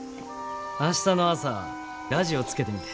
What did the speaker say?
明日の朝ラジオつけてみて。